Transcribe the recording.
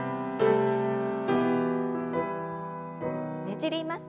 ねじります。